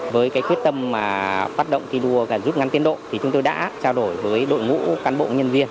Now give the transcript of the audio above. với quyết tâm phát động thi đua và giúp ngăn tiến độ chúng tôi đã trao đổi với đội ngũ cán bộ nhân viên